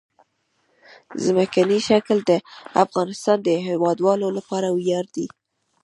ځمکنی شکل د افغانستان د هیوادوالو لپاره ویاړ دی.